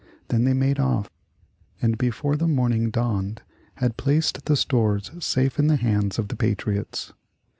Then they made off, and before the morning dawned had placed the stores safe in the hands of the patriots.